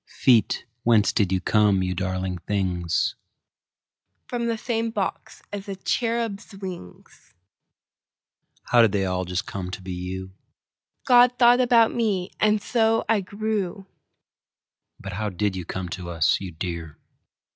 Feet, whence did you come, you darling things? From the same box as the cherubs' wings. How did they all just come to be you? God thought about me, and so I grew. But how did you come to us, you dear?